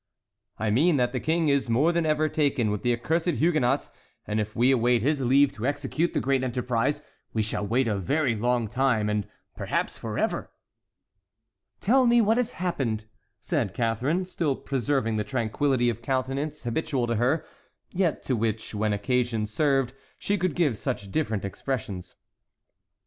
"I mean that the King is more than ever taken with the accursed Huguenots; and if we await his leave to execute the great enterprise, we shall wait a very long time, and perhaps forever." "Tell me what has happened," said Catharine, still preserving the tranquillity of countenance habitual to her, yet to which, when occasion served, she could give such different expressions.